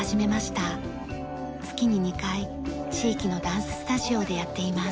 月に２回地域のダンススタジオでやっています。